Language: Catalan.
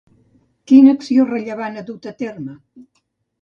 Quina acció rellevant ha dut a terme?